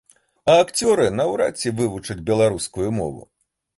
А акцёры наўрад ці вывучаць беларускую мову.